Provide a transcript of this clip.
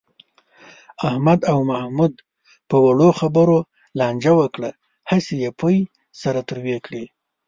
احمد او محمود په وړو خبرو لانجه وکړه. هسې یې پۍ سره تروې کړلې.